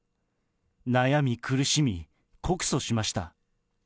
悩み苦しみ、告訴しました。